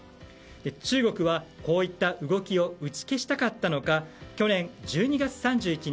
中国はこういった動きを打ち消したかったのか去年、１２月３１日